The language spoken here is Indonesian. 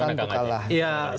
bagaimana kang haji